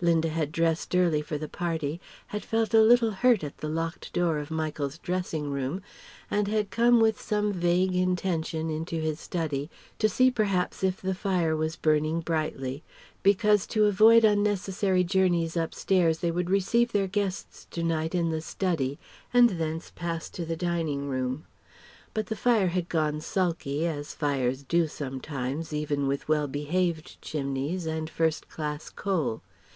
Linda had dressed early for the party, had felt a little hurt at the locked door of Michael's dressing room, and had come with some vague intention into his study, to see perhaps if the fire was burning brightly: because to avoid unnecessary journies upstairs they would receive their guests to night in the study and thence pass to the dining room. But the fire had gone sulky, as fires do sometimes even with well behaved chimneys and first class coal.